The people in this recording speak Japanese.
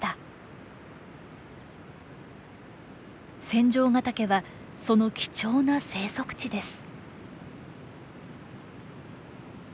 仙丈ヶ岳はその貴重な生息地です。